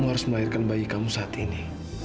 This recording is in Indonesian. kamu harus melahirkan bayi kamu saat ini